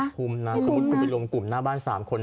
ภูมินะสมมุติคุณไปรวมกลุ่มหน้าบ้าน๓คน